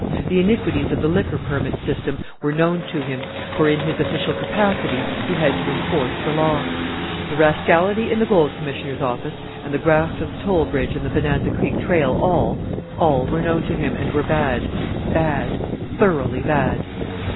The iniquities of the liquor permit system were known to him, for in his official capacity he had to enforce the law. The rascality in the Gold Commissioner's office, and the graft of the toll bridge and the Bonanza Creek trail, all all were known to him, and were bad, bad thoroughly bad.